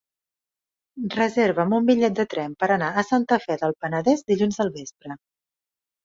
Reserva'm un bitllet de tren per anar a Santa Fe del Penedès dilluns al vespre.